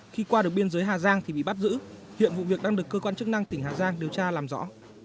khi qua được biên giới hà giang thì bị bắt giữ hiện vụ việc đang được cơ quan chức năng tỉnh hà giang điều tra làm rõ